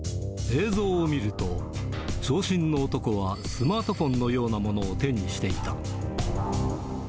映像を見ると、長身の男はスマートフォンのようなものを手にしていた。